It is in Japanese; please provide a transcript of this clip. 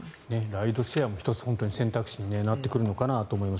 ライドシェアも１つ選択肢になってくるのかなと思います。